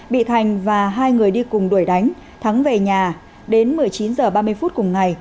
bị thành và hai người đi cùng đuổi đánh thắng về nhà đến một mươi chín h ba mươi phút cùng ngày